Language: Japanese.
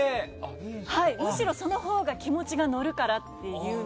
むしろ、そのほうが気持ちが乗るからと。